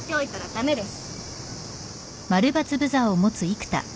駄目です。